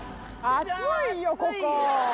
熱いよ、ここ。